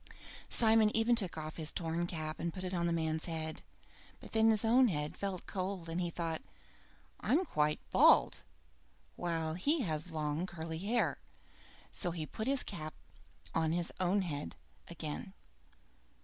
Simon even took off his torn cap to put it on the man's head, but then his own head felt cold, and he thought: "I'm quite bald, while he has long curly hair." So he put his cap on his own head again.